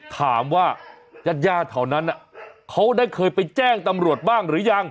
ถามว่ายาดยาดเท่านั้นน่ะเขาได้เคยไปแจ้งตำรวจบ้างหรือยัง